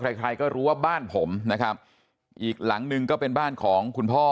ใครใครก็รู้ว่าบ้านผมนะครับอีกหลังหนึ่งก็เป็นบ้านของคุณพ่อ